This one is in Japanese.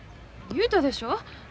言うたでしょう？